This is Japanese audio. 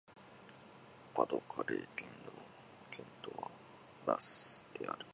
パ＝ド＝カレー県の県都はアラスである